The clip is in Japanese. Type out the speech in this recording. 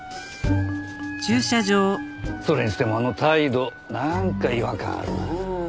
それにしてもあの態度なんか違和感あるなあ。